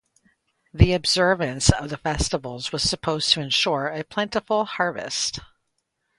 The observance of the festivals was supposed to ensure a plentiful harvest.